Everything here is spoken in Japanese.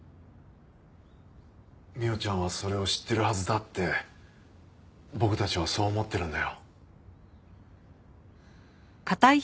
未央ちゃんはそれを知ってるはずだって僕たちはそう思ってるんだよ。